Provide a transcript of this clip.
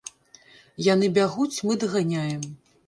Яны бягуць, мы даганяем.